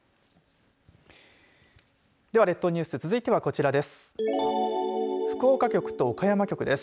では、列島ニュース続いては、こちらです。